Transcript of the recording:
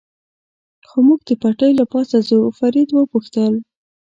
خو موږ د پټلۍ له پاسه ځو، فرید و پوښتل.